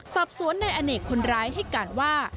สอบสวนในอเนกคนร้ายให้การว่า